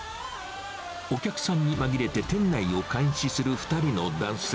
お客さんに紛れて店内を監視する２人の男性。